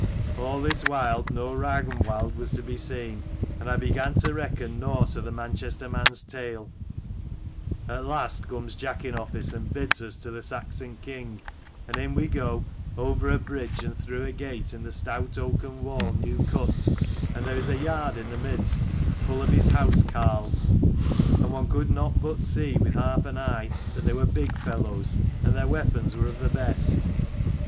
"All this while no Ragnwald was to be seen, and I began to reckon nought of the Manchester man's tale. At last comes jack in office, and bids us to the Saxon king : and in we go, over a bridge and through a gate in the stout oaken wall new cut : and there is a yard in the midst, full of his housecarles, and one could not but see with half an eye that they were big fellows and their weapons were of the best.